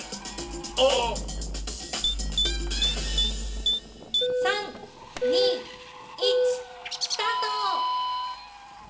オ！３２１スタート！